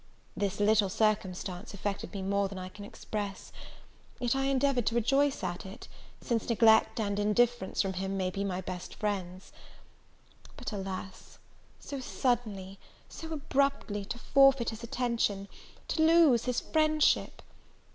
This little circumstance affected me more than I can express; yet I endeavoured to rejoice at it, since neglect and indifference from him may be my best friends. But, alas! so suddenly, so abruptly to forfeit his attention! to lose his friendship!